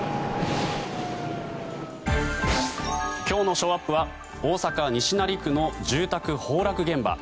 今日のショーアップは大阪・西成区の住宅崩落現場。